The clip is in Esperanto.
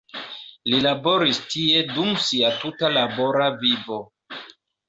Li laboris tie dum sia tuta labora vivo.